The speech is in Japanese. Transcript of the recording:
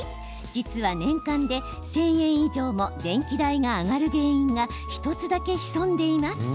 実は、年間で１０００円以上も電気代が上がる原因が１つだけ潜んでいます。